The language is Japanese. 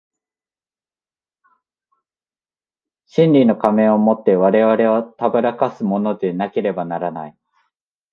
真理の仮面を以て我々を誑かすものでなければならない。